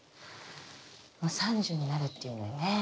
もう３０になるっていうのにね。